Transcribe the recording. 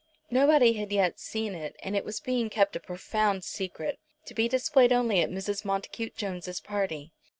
Nobody had yet seen it, and it was being kept a profound secret, to be displayed only at Mrs. Montacute Jones's party.